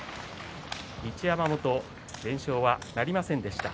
一山本、連勝はなりませんでした。